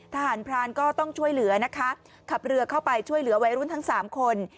ทหารพรานก็ต้องช่วยเหลือนะคะขับเรือเข้าไปช่วยเหลือวัยรุ่นทั้ง๓คน